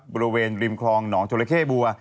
บริเวณริมคลองหนองจราเข้บัว